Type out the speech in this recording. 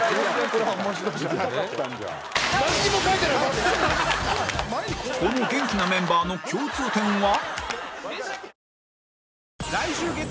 この元気なメンバーの共通点は？